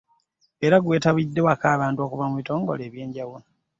Era gwettabiddwako abantu okuva mu bikonge eby'enjawulo.